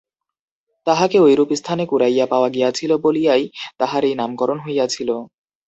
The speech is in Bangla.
তাঁহাকে ঐরূপ স্থানে কুড়াইয়া পাওয়া গিয়াছিল বলিয়াই তাঁহার এই নামকরণ হইয়াছিল।